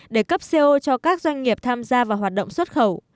để cấp co cho các doanh nghiệp tham gia vào hoạt động xuất khẩu